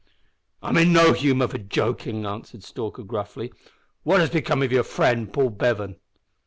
"I'm in no humour for joking," answered Stalker, gruffly. "What has become of your friend Paul Bevan?"